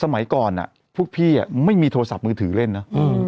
สมัยก่อนพวกพี่ไม่มีโทรศัพท์มือถือเล่นนะ